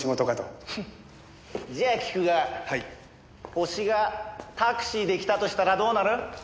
ホシがタクシーで来たとしたらどうなる？